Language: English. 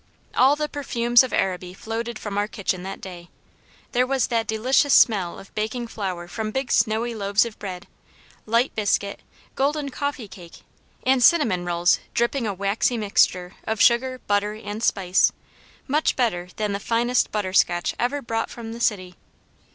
All the perfumes of Araby floated from our kitchen that day. There was that delicious smell of baking flour from big snowy loaves of bread, light biscuit, golden coffee cake, and cinnamon rolls dripping a waxy mixture of sugar, butter, and spice, much better than the finest butterscotch ever brought from the city.